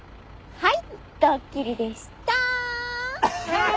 はい？